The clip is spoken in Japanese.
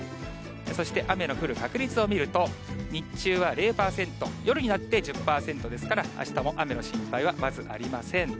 そして雨の降る確率を見ると、日中は０％、夜になって１０％ですから、あしたも雨の心配はまずありません。